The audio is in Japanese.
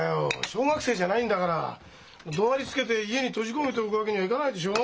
小学生じゃないんだからどなりつけて家に閉じ込めておくわけにはいかないでしょ？